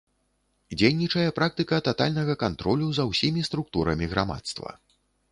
Дзейнічае практыка татальнага кантролю за ўсімі структурамі грамадства.